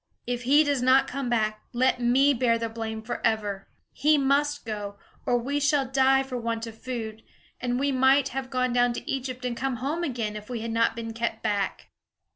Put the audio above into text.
If he does not come back, let me bear the blame forever. He must go, or we shall die for want of food; and we might have gone down to Egypt and come home again, if we had not been kept back."